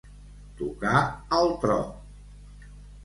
Tocar al tro.